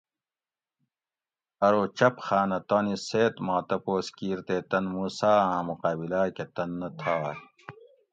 ارو چپ خانہ تانی سۤد ما تپوس کیر تےتن موسیٰ آں مقابلا کہ تن نہ تھاگ